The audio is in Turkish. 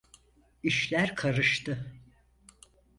İşler karıştı.